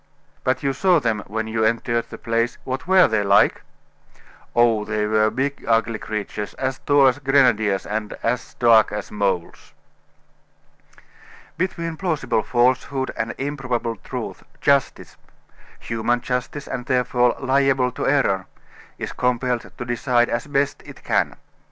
"But you saw them when you entered the place what were they like?" "Oh! they were big, ugly creatures, as tall as grenadiers, and as dark as moles!" Between plausible falsehood, and improbable truth, justice human justice, and therefore liable to error is compelled to decide as best it can.